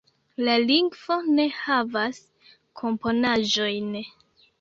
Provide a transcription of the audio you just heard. La lingvo ne havas komponaĵojn.